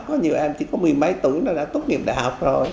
có nhiều em chỉ có mười mấy tuổi là đã tốt nghiệp đại học rồi